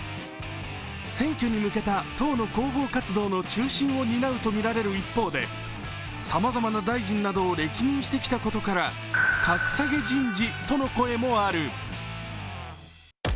選挙に向けた党の広報活動の中心を担うとみられる一方でさまざまな大臣などを歴任してきたことから格下げ人事との声もある。